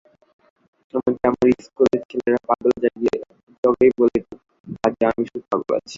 আমাকে আমার ইস্কুলের ছেলেরা পাগলা জগাই বলিত, আজও আমি সেই পাগল আছি।